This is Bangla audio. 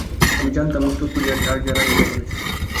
আমি জানতাম উত্তর কোরিয়ার জারজরাই এটা করেছে!